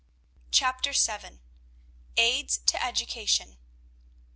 CHAPTER VII. AIDS TO EDUCATION.